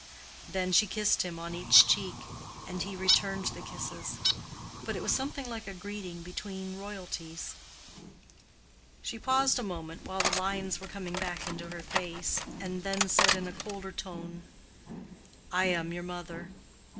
Then she kissed him on each cheek, and he returned the kisses. But it was something like a greeting between royalties. She paused a moment while the lines were coming back into her face, and then said in a colder tone, "I am your mother.